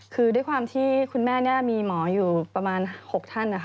คือด้วยความที่คุณแม่มีหมออยู่ประมาณ๖ท่าน